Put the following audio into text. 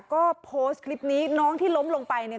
ก็โพสต์คลิปนี้น้องที่ล้มลงไปเนี่ย